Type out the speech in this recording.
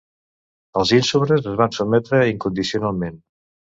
Els ínsubres es van sotmetre incondicionalment.